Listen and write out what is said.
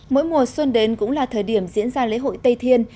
mỗi mùa xuân đến cũng là thời điểm diễn ra lễ hội tây thiên